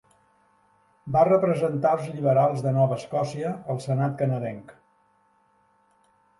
Va representar els liberals de Nova Escòcia al senat canadenc.